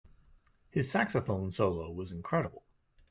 His saxophone solo was incredible.